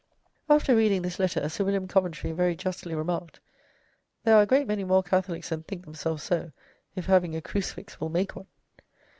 After reading this letter Sir William Coventry very justly remarked, "There are a great many more Catholics than think themselves so, if having a crucifix will make one."